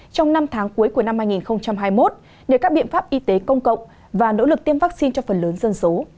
trong năm tháng cuối của năm hai nghìn hai mươi một nếu các biện pháp y tế công cộng và nỗ lực tiêm vaccine cho phần lớn dân số